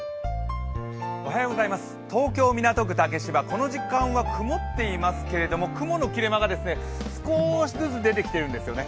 東京・港区竹芝、この時間は曇っていますけれども雲の切れ間が少しずつ出てきているんですよね。